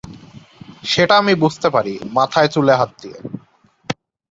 সেটা আমি বুঝতে পারি মাথায় চুলে হাত দিয়ে।